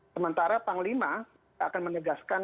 sementara panglima akan menegaskan